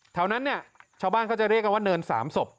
แถวนั้นเนี่ยชาวบ้านเขาจะเรียกกันว่าเนิน๓ศพ